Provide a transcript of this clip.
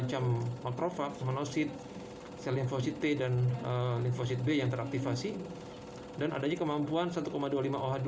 macam makrofag monosid sel infosid t dan infosid b yang teraktivasi dan adanya kemampuan satu dua puluh lima oh dua